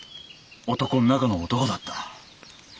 男の中の男だった。